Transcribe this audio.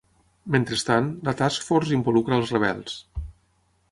Mentrestant, la Task Force involucra els rebels.